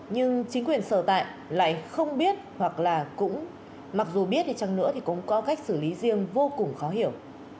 nhưng chính quyền sở tại lại không biết hoặc là cũng mặc dù biết chăng nữa thì cũng có cách xử lý riêng vô cùng khó hiểu